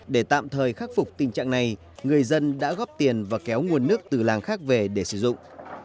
để tạm thời khắc phục tình trạng này người dân đã góp tiền và kéo nguồn nước từ làng khác về để sử dụng